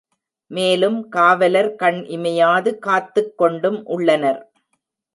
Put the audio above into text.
மேலும் காவலர் கண் இமையாது காத்துக் கொண்டும் உள்ளனர்.